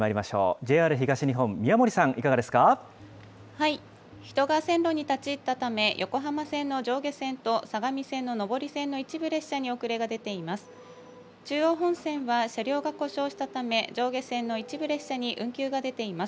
ＪＲ東日本、宮森さん、いかがで人が線路に立ち入ったため、横浜線の上下線と相模線の上り線の一部に遅れが出ています。